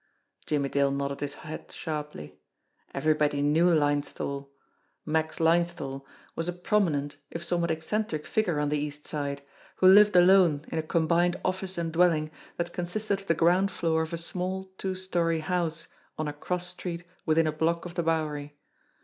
Jimmie Dale nodded his head sharply. Everybody knew Linesthal. Max Linesthal was a promi nent, if somewhat eccentric figure on the East Side, who lived alone in a combined office and dwelling that consisted of the ground floor of a small, two story house on a cross street within a block of the Bowery.